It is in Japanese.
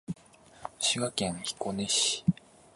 滋賀県彦根市